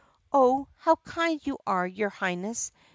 "Oh, how kind you are, your Highness!"